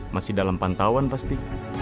masih dalam pantauan pasti